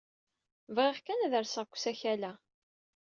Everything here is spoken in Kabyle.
Bɣiɣ kan ad rseɣ seg usakal-a.